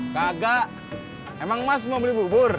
kagak emang mas mau beli bubur